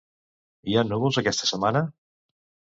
Hi ha núvols aquesta setmana?